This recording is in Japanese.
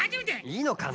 いいのかな。